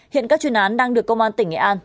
hiện các chuyên án đang được công an tỉnh nghệ an